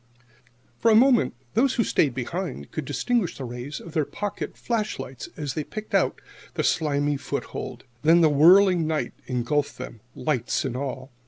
For a moment those who stayed behind could distinguish the rays of their pocket flash lights as they picked out their slimy foothold. Then the whirling night engulfed them, lights and all.